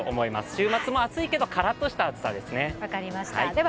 週末も暑いけど、カラッとした暑さですね。